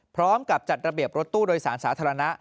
พร้อมกับจัดระเบียบรถตู้โดยสารสาธารณะ